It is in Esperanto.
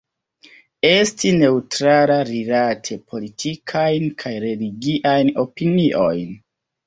Esti neŭtrala rilate politikajn kaj religiajn opiniojn.